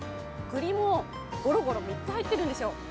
栗もゴロゴロ、３つ入っているんですよ。